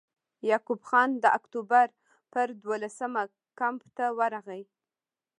یعقوب خان د اکټوبر پر دولسمه کمپ ته ورغی.